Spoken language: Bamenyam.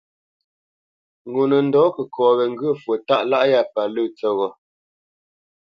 Ŋo nə ndɔ̌ kəkɔ wé ŋgyə̂ fwo tâʼ lâʼ yá pa lə̂ tsəghó.